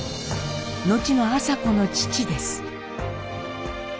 後の麻子の父です。